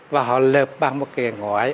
và họ lợp bằng một cái ngõi